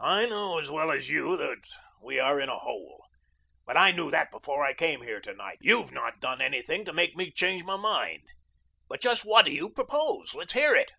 I know as well as you that we are in a hole. But I knew that before I came here to night. YOU'VE not done anything to make me change my mind. But just what do you propose? Let's hear it."